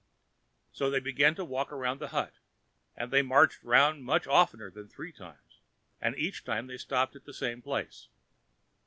So they began to walk round the hut, but they marched round much oftener than three times, and each time they stopped at the same place.